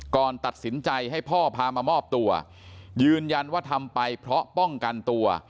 ก่อนตัดสินใจให้พ่อพามามอบตัวยืนยันว่าทำไปเพราะป้องกันตัว